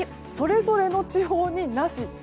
それぞれの地方に、なし。